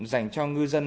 dành cho ngư dân